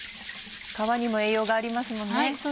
皮にも栄養がありますもんね。